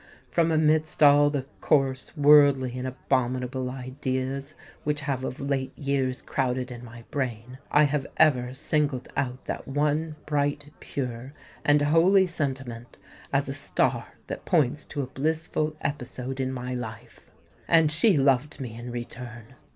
From amidst all the coarse, worldly, and abominable ideas which have of late years crowded in my brain, I have ever singled out that one bright—pure—and holy sentiment as a star that points to a blissful episode in my life. And she loved me in return!